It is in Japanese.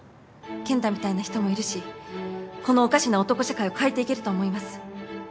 健太みたいな人もいるしこのおかしな男社会を変えていけると思います。